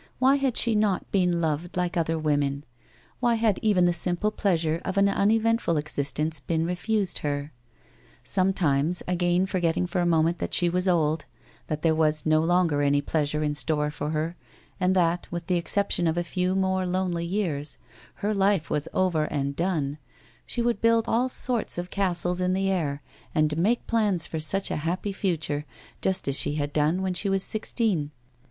Wliy had A WOMAN'S LIFE. 245 she not been loved like other women 1 Why had even the simple pleasure of an uneventful existence been refused her ^ Sometimes, again, forgetting for a moment that she was old, that there was no longer any pleasure in store for her and that, with the exception of a few more lonely years, her life was over and done, she would build all sorts of castles in the air and make plans for such a happy future, just as she had done when she was sixteen.